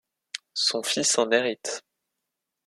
Son fils en hérite.